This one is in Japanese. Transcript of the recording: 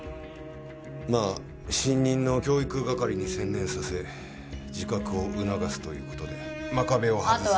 まあ新任の教育係に専念させ自覚を促すという事で真壁を外す。